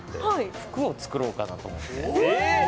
服を作ろうかなと思って。